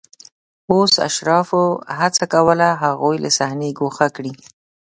اوس اشرافو هڅه کوله هغوی له صحنې ګوښه کړي